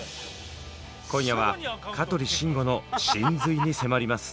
今夜は香取慎吾の神髄に迫ります。